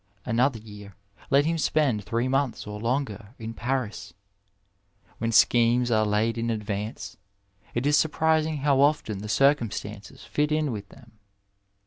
Another year let him spend three months or longer in Paris. When schemes are laid in advance, it is surprising how often the circumstances fit in with them.